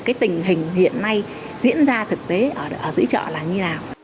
cái tình hình hiện nay diễn ra thực tế ở dưới chợ là như nào